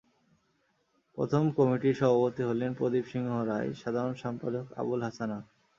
প্রথম কমিটির সভাপতি হলেন প্রদীপ সিংহ রায়, সাধারণ সম্পাদক আবুল হাসানাত।